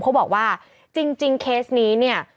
เขาบอกว่าจริงเคสนี้เนี่ย